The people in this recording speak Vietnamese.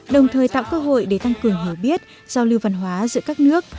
đồng thời tạo cơ hội để tăng cường hiểu biết giao lưu văn hóa giữa các nước